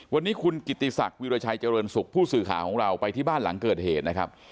วันนี้คุณกิติศักดิ์วิราชัยเจริญสุขผู้สื่อข่าวของเราไปที่บ้านหลังเกิดเหตุนะครับ